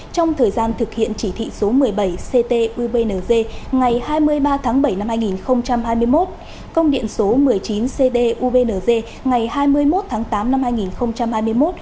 trong thời gian thực hiện chỉ thị số một mươi bảy ctubng ngày hai mươi ba tháng bảy năm hai nghìn hai mươi một công điện số một mươi chín cdubng ngày hai mươi một tháng tám năm hai nghìn hai mươi một